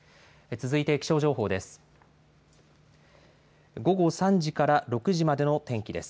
続いて気象情報です。